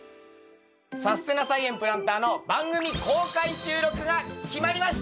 「さすてな菜園プランター」の番組公開収録が決まりました！